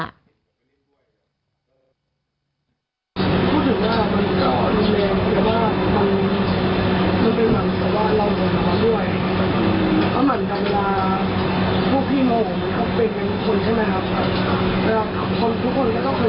เราพี่โหมวนอย่างเขาเป็นเป็นคนใช่ไหมแต่ผู้ทุกคนก็เคยโหมวนว่าบางคนก็โหมวนเนียนว่าสิรรควรทั้งเฮียกันเราลองกลับแล้วนึกสังเกตุ